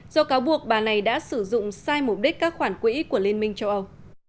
do cáo buộc bà này đã sử dụng sai mục đích các khoản quỹ của liên minh châu âu